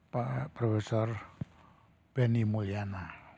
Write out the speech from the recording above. pak profesor benny mulyana